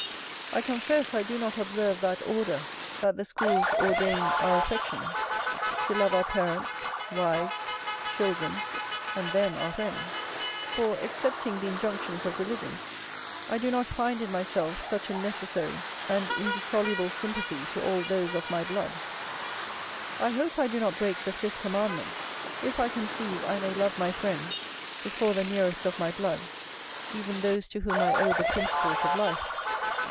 I confess I do not observe that order that the schools ordain our affections, to love our parents, wives, children, and then our friends; for, excepting the injunctions of religion, I do not find in myself such a necessary and indissoluble sympathy to all those of my blood. I hope I do not break the fifth commandment, if I conceive I may love my friend before the nearest of my blood, even those to whom I owe the principles of life.